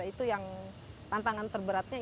itu yang tantangan terberatnya